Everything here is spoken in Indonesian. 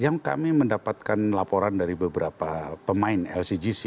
yang kami mendapatkan laporan dari beberapa pemain lcgc